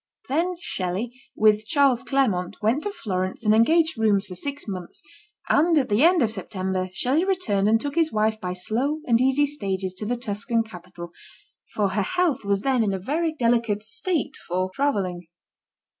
Then Shelley, with Charles Clairmont, went to Florence and engaged rooms for six mouths, and at the end of September Shelley returned and took his wife by slow and easy stages to the Tuscan capital, for her health was then in a very delicate state for 142 MBS. SHELLEY. travelling.